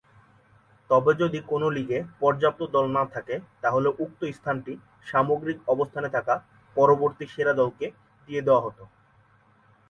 তবে, যদি কোন লীগে পর্যাপ্ত দল না থাকে, তাহলে উক্ত স্থানটি সামগ্রিক অবস্থানে থাকা পরবর্তী সেরা দলকে দিয়ে দেওয়া হতো।